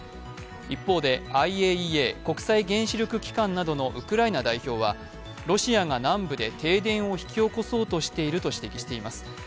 一方でＩＡＥＡ＝国際原子力機関などのウクライナ代表はロシアが南部で停電を引き起こそうとしていると指摘しています。